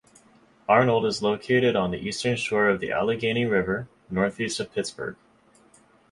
Arnold is located on the eastern shore of the Allegheny River, northeast of Pittsburgh.